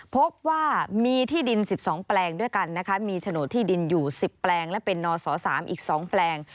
พบว่ามีที่ดิน๑๒แปลงด้วยกันนะคะมีโฉนดที่ดินอยู่๑๐แปลงและเป็นนศ๓อีก๒แปลง